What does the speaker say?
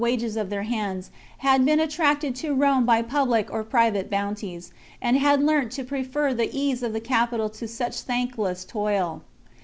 ^<^ J wages of their hands, had been attracted to Rome by pubHc or private bounties, and had learnt to prefer the ease of the capital to such thankless toil.